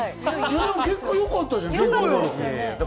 結果よかったじゃん。